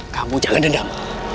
kamu jangan dendam